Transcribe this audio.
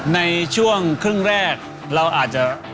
ในช่วงครึ่งแรกเราอาจจะ